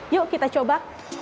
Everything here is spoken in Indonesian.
yuk kita coba